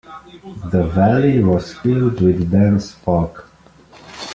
The valley was filled with dense fog.